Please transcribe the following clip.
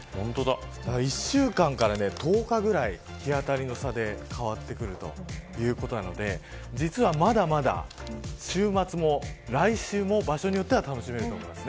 １週間から１０日ぐらい日当たりの差で変わってくるということなので実は、まだまだ週末も来週も場所によっては楽しめると思います。